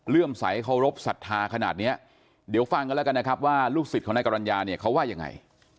เรื่องใจเค้ารบสัตว์ท้าขนาดเนี้ยเดี๋ยวฟังก็แล้วกันนะครับว่าลูกศิษย์ทงศิษย์กรรณยาเนี้ยเขาว่ายังไง